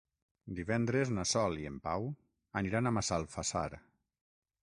Divendres na Sol i en Pau aniran a Massalfassar.